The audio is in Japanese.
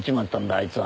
あいつは。